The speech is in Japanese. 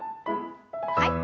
はい。